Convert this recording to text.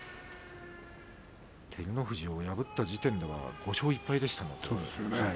照ノ富士を破った時点では５勝１敗でしたものね。